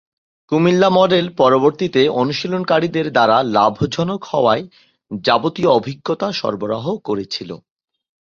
Comilla model পরবর্তীতে অনুশীলনকারীদের দ্বারা লাভজনক হওয়ার যাবতীয় অভিজ্ঞতা সরবরাহ করেছিল।